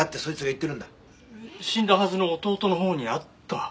死んだはずの弟のほうに会った？